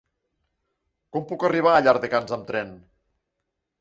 Com puc arribar a Llardecans amb tren?